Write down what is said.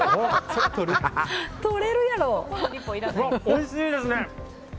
おいしいですね。